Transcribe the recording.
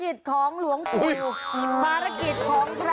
ช่วยพระด้วยครับ